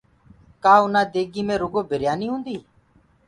ڪآ آنآ ديگي مي رگو بريآني هوندي